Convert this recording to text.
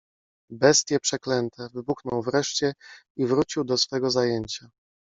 Bestie przeklęte! - wybuchnął wreszcie i wrócił do swego zajęcia.